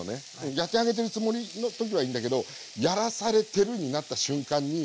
やってあげてるつもりの時はいいんだけど「やらされてる」になった瞬間にこれはね